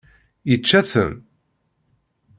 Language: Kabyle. Yečča-ten?